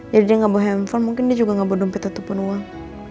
jadi dia ngga bawa handphone mungkin dia juga ngga bawa dompet ataupun uang